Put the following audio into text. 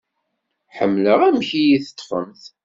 Ḥemmleɣ amek i yi-teṭfemt.